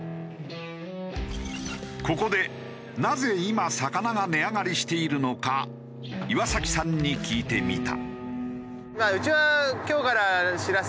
ここでなぜ今魚が値上がりしているのか岩崎さんに聞いてみた。